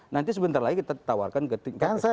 nanti sebentar lagi kita tawarkan ke tingkat keseluruh